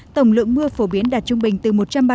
tổng lượng mưa phổ biến đạt trung bình từ một trăm ba mươi